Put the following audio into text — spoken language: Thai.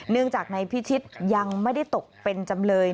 เนื่องจากนายพิชิตยังไม่ได้ตกเป็นจำเลย